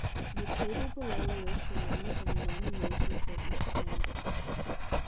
The table below lists the number of nominations for each candidate.